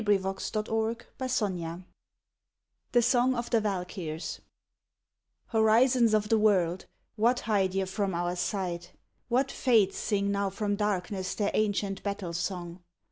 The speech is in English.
114 ON THE GREAT WAR THE SONG OF THE VALKYRS Horizons of the world, what hide ye from our sight? What Fates sing now from darkness their ancient battle song?